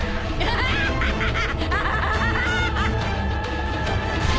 ハハハハ！